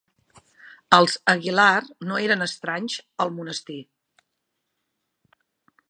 Els Aguilar no eren estranys al monestir.